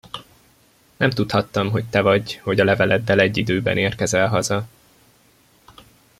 Nem tudhattam, hogy te vagy, hogy a leveleddel egy időben érkezel haza.